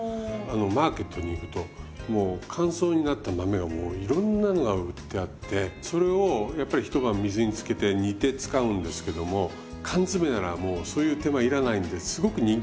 マーケットに行くと乾燥になった豆がもういろんなのが売ってあってそれをやっぱり一晩水につけて煮て使うんですけども缶詰ならもうそういう手間要らないんですごく人気ですよね